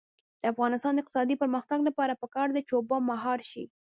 د افغانستان د اقتصادي پرمختګ لپاره پکار ده چې اوبه مهار شي.